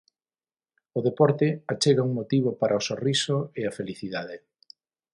O deporte achega un motivo para o sorriso e a felicidade.